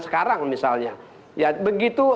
sekarang misalnya ya begitu